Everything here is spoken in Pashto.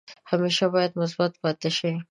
همیشه باید مثبت پاتې شئ.